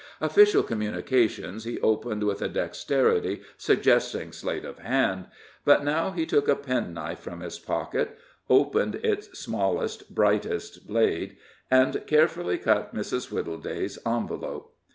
Official communications he opened with a dexterity suggesting sleight of hand, but now he took a penknife from his pocket, opened its smallest, brightest blade, and carefully cut Mrs. Wittleday's envelope.